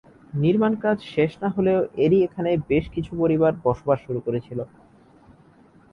নির্মাণ কাজ শেষ না হলেও এরই এখানে বেশ কিছু পরিবার বসবাস শুরু করেছিল।